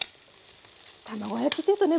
卵焼きっていうとね